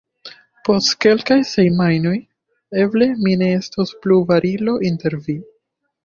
Post kelkaj semajnoj eble mi ne estos plu barilo inter vi.